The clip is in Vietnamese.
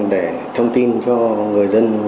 để thông tin cho người dân